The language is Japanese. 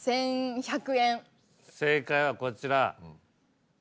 正解はこちら。